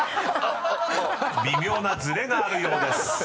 ［微妙なずれがあるようです］